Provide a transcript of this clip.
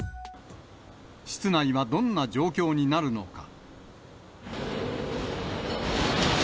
室内はどんな状況になるのか。